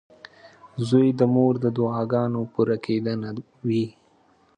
• زوی د مور د دعاګانو پوره کېدنه وي.